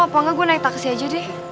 apa enggak gue naik taksi aja deh